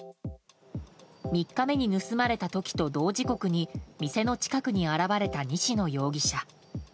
３日目に盗まれた時と同時刻に店の近くに現れた西野容疑者。